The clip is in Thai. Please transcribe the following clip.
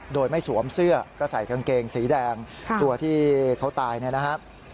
โดยไม่สวมเสื้อก็ใส่กางเกงสีแดงตัวที่เขาตายเนี่ยนะครับ